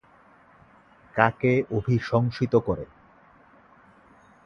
কাকে অভিশংসিত করে?